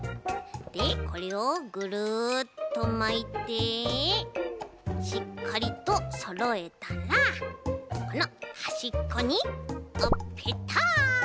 でこれをグルッとまいてしっかりとそろえたらこのはしっこにあっペタ！